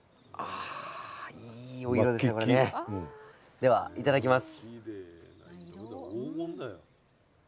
ではいただきます。